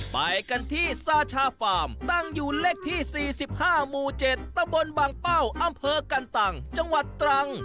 ไปกันที่ซาชาฟาร์มตั้งอยู่เลขที่๔๕หมู่๗ตะบนบางเป้าอำเภอกันตังจังหวัดตรัง